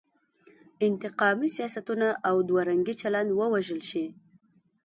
انتقامي سیاستونه او دوه رنګی چلن ووژل شي.